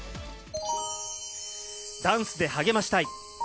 ダンスで励ましたい。